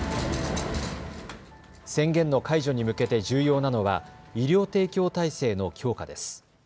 宣言の解除に向けて重要なのは医療提供体制の強化です。